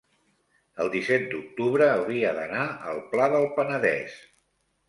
el disset d'octubre hauria d'anar al Pla del Penedès.